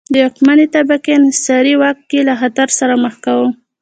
د واکمنې طبقې انحصاري واک یې له خطر سره مخ کاوه.